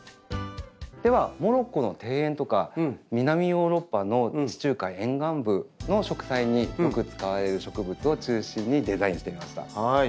ではモロッコの庭園とか南ヨーロッパの地中海沿岸部の植栽によく使われる植物を中心にデザインしてみました。